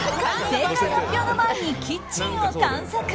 正解発表の前にキッチンを探索。